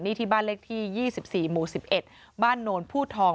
นี่ที่บ้านเลขที่๒๔หมู่๑๑บ้านโนนผู้ทอง